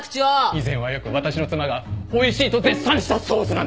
以前はよく私の妻がおいしいと絶賛したソースなんです。